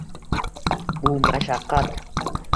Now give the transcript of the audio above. Bu mashaqqat